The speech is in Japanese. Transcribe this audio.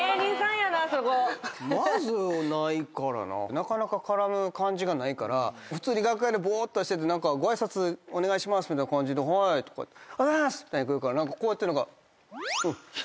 なかなか絡む感じがないから普通に楽屋でぼーっとしてて何かご挨拶お願いしますみたいな感じで「おはようございます！」みたいに来るからこうやってんのが。